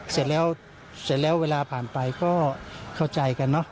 เสร็จแล้วเวลาผ่านไปก็เข้าใจกันเนอะ